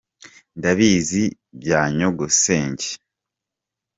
Ndabizi banyogosenge